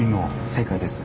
正解です。